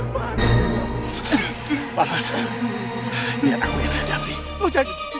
bapak niat aku yang terhadapi